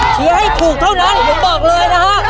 เชียร์ให้ถูกเท่านั้นอย่าบอกเลยนะฮะ